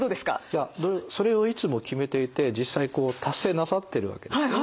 いやそれをいつも決めていて実際こう達成なさってるわけですよね。